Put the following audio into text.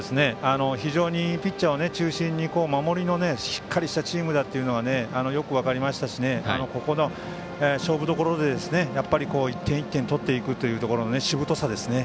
非常にピッチャーを中心に守りのしっかりしたチームだとよく分かりましたしここぞの勝負どころで１点１点取っていくというしぶとさですね。